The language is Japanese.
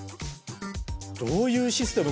どういうシステム？